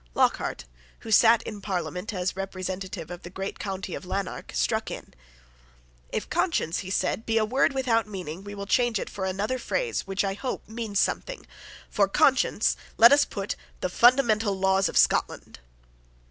Lockhart, who sate in Parliament as representative of the great county of Lanark, struck in. "If conscience," he said, "be a word without meaning, we will change it for another phrase which, I hope, means something. For conscience let us put the fundamental laws of Scotland."